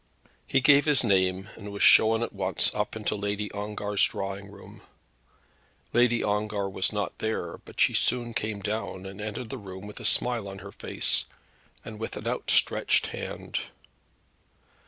He gave his name, and was shown at once up into Lady Ongar's drawing room. Lady Ongar was not there, but she soon came down, and entered the room with a smile on her face and with an outstretched hand.